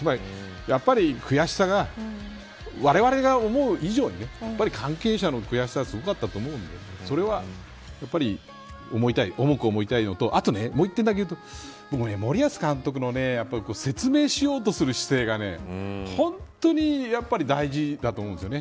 やっぱり、悔しさがわれわれが思う以上に関係者の悔しさはすごかったと思うんでそれは、重く思いたいのとあと、もう１点だけ言うと森保監督の説明しようとする姿勢が本当に大事だと思うんですよね。